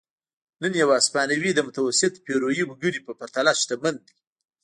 نن یو هسپانوی د متوسط پیرويي وګړي په پرتله شتمن دی.